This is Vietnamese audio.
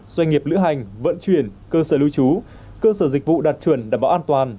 doanh nghiệp lữ hành vận chuyển cơ sở lưu trú cơ sở dịch vụ đạt chuẩn đảm bảo an toàn